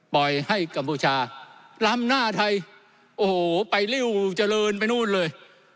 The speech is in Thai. ปล่อยให้กัมพูชาล้ำหน้าไทยโอ้โหไปริ้วเจริญไปนู่นเลย